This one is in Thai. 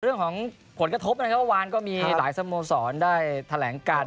เรื่องของผลกระทบนะครับเมื่อวานก็มีหลายสโมสรได้แถลงการ